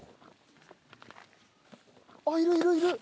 あっいるいるいる！